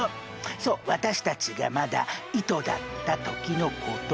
そう私たちがまだ糸だった時のことを。